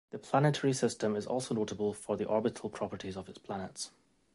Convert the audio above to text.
The planetary system is also notable for the orbital properties of its planets.